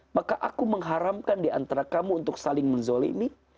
maka aku mengharamkan di antara kamu untuk saling menzolim